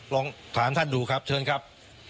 ลองถามท่านดูครับเชิญครับ